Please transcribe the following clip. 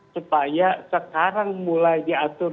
supaya sekarang mulai diatur